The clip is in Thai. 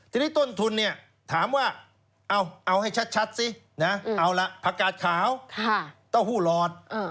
ทีนี้ต้นทุนเนี่ยถามว่าเอาให้ชัดสินะเอาล่ะผักกาดขาวเต้าหู้หลอด